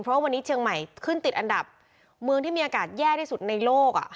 เพราะวันนี้เชียงใหม่ขึ้นติดอันดับเมืองที่มีอากาศแย่ที่สุดในโลก